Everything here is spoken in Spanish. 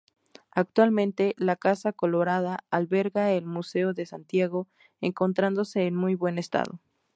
Actualmente la Casa Colorada alberga el Museo de Santiago, encontrándose en muy buen estado.